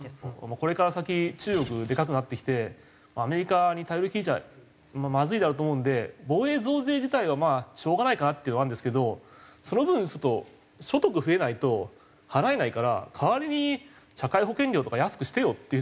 これから先中国でかくなってきてアメリカに頼りきりじゃまずいだろうと思うんで防衛増税自体はしょうがないかなっていうのはあるんですけどその分ちょっと所得増えないと払えないから代わりに社会保険料とか安くしてよっていう風に思いますよね。